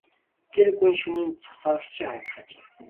Тэр гүн шөнийн цус сорогч шиг харагдах ажээ.